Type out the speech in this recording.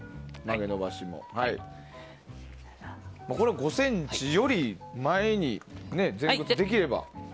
これで５ｃｍより前に前屈できれば。